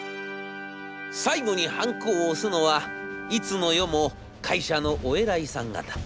最後にハンコを押すのはいつの世も会社のお偉いさん方。